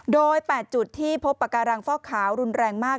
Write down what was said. โดย๘จุดที่พบปากการังฟอกขาวรุนแรงมาก